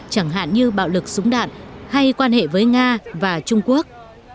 chẳng hạn như bạo lực súng đạn hay quan hệ với nga và trung quốc